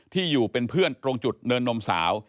ที่อยู่เป็นเพื่อนตรงจุดเนินนมสาว